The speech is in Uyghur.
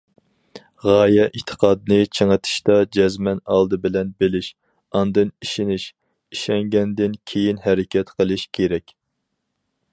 غايە- ئېتىقادنى چىڭىتىشتا، جەزمەن ئالدى بىلەن بىلىش، ئاندىن ئىشىنىش، ئىشەنگەندىن كېيىن ھەرىكەت قىلىش كېرەك.